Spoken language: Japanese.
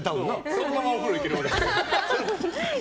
そのままお風呂行けばいい。